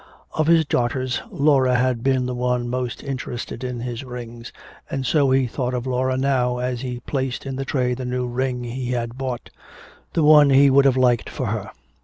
Of his daughters, Laura had been the one most interested in his rings, and so he thought of Laura now as he placed in the tray the new ring he had bought, the one he would have liked for her.